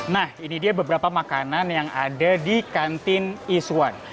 nah ini dia beberapa makanan yang ada di kantin iswan